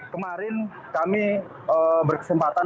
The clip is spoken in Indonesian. kemarin kami berkesempatan